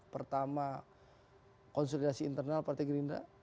pertama konsolidasi internal partai gerindra